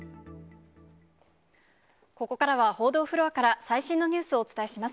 ここからは報道フロアから、最新のニュースをお伝えします。